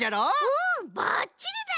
うんばっちりだよ！